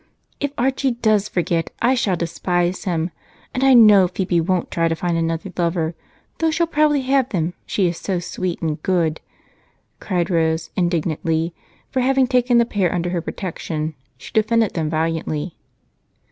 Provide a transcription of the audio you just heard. "If Archie does forget, I shall despise him, and I know Phebe won't try to find another lover, though she'll probably have them she is so sweet and good!" cried Rose indignantly, for, having taken the pair under her protection, she defended them valiantly.